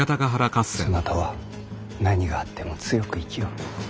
そなたは何があっても強く生きよ。